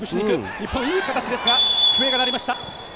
日本いい形ですが笛が鳴りました。